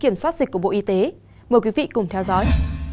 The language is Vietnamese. mời quý vị cùng theo dõi